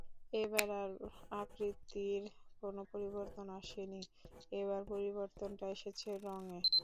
এবার আর আকৃতির কোনো পরিবর্তন আসেনি, এবার পরিবর্তনটা এসেছে রঙে।